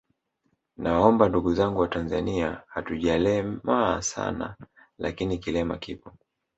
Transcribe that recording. Nawaomba ndugu zangu watanzania hatujalemaa sana lakini kilema kipo